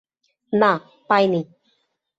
না, পাই নি।